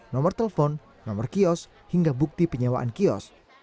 nomor telepon nomor kios hingga bukti penyewaan kios